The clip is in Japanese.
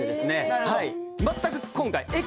なるほど。